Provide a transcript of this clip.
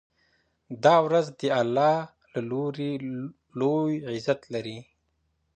دا ورځ د الله له لوري لوی عزت لري.